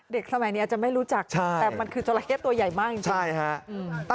สมัยนี้อาจจะไม่รู้จักแต่มันคือจราเข้ตัวใหญ่มากจริงใช่ฮะ